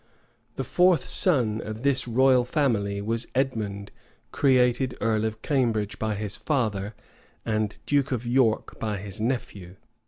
The fourth son of this royal family was Edmund created earl of Cambridge by his father, and duke of York by his nephew.